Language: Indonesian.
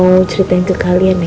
mau ceritain ke kalian ya